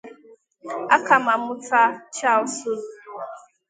Ọkammụta Charles Soludo